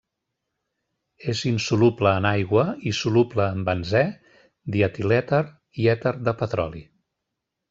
És insoluble en aigua i soluble en benzè, dietilèter i èter de petroli.